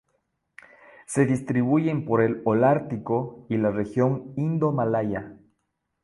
Se distribuyen por el Holártico y la región indomalaya.